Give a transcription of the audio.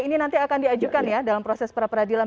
ini nanti akan diajukan ya dalam proses pra peradilan